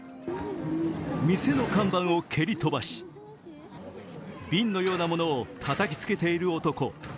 店の看板を蹴り飛ばし瓶のようなものをたたきつけている男。